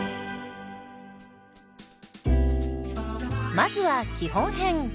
まずは基本編。